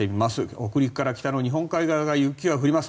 北陸から北の日本海側雪が降ります。